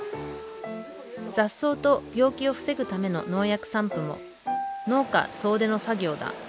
雑草と病気を防ぐための農薬散布も農家総出の作業だ。